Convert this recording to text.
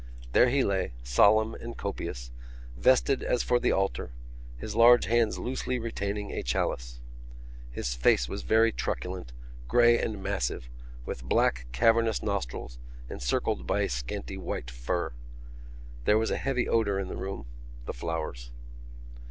There he lay, solemn and copious, vested as for the altar, his large hands loosely retaining a chalice. His face was very truculent, grey and massive, with black cavernous nostrils and circled by a scanty white fur. There was a heavy odour in the room—the flowers.